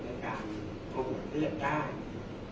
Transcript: ในการโดดเลือดได้